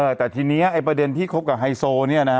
แต่ทีนี้ไอ้ประเด็นที่คบกับไฮโซเนี่ยนะฮะ